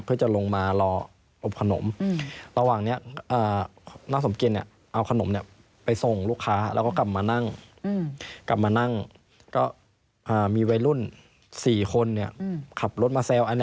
เพื่อจะลงมารออาบขนม